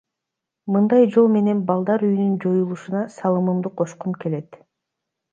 Мындай жол менен балдар үйүнүн жоюлушуна салымымды кошкум келет.